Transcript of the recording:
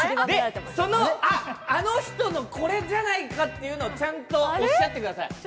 その、あ、あの人のこれじゃないかというのをちゃんとおっしゃってください。